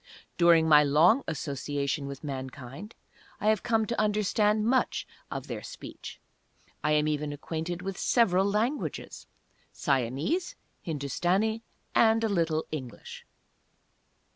During my long association with mankind I have come to understand much of their speech. I am even acquainted with several languages; Siamese, Hindustani, and a little English.